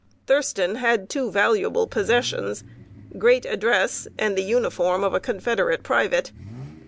Thurston had two valuable possessions great address, and the uniform of a Confederate private.